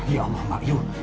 ya allah mbak yu